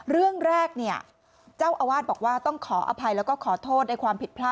เรื่องแรกเนี่ยเจ้าอาวาสบอกว่าต้องขออภัยแล้วก็ขอโทษในความผิดพลาด